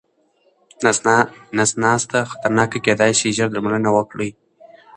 نس ناسته خطرناکه کيداې شي، ژر درملنه وکړئ.